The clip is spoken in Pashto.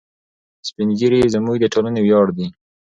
سپین ږیري زموږ د ټولنې ویاړ دي.